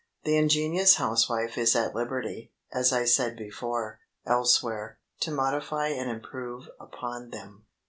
The ingenious housewife is at liberty, as I said before, elsewhere, to modify and improve upon them.